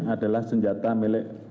adalah senjata milik